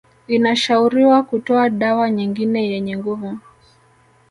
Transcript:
Inashauriwa kutoa dawa nyingine yenye nguvu